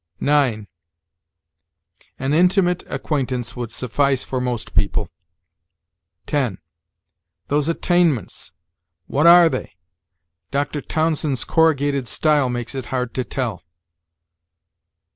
9. An intimate acquaintance would suffice for most people. 10. Those attainments! What are they? Dr. Townsend's corrugated style makes it hard to tell.